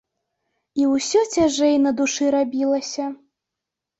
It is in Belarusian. І ўсё цяжэй на душы рабілася.